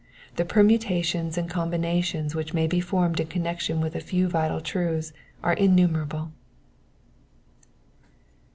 The permutations and combinations which may be formed in connection with a few vital truths are innumerable.